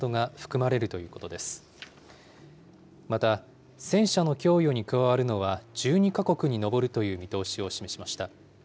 また、戦車の供与に加わるのは、１２か国に上るという見通しを示しました。